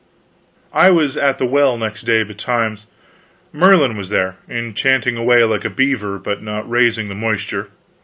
I was at the well next day betimes. Merlin was there, enchanting away like a beaver, but not raising the moisture.